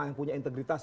yang punya integritas